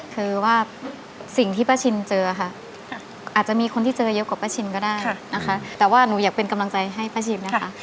คือว่าสิ่งที่ป้าชินเจอค่ะอาจจะมีคนที่เจอเยอะกว่าป้าชินก็ได้นะคะแต่ว่าหนูอยากเป็นกำลังใจให้ป้าชินนะคะ